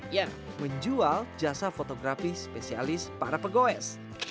yang menjual jasa fotografi spesialis para pegoes